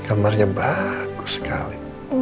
kamarnya bagus sekali